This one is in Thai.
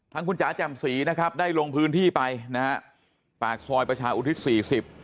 ทางคุณจ๋าแจ่มสีนะครับได้ลงพื้นที่ไปนะฮะปากซอยประชาอุทิศสี่สิบ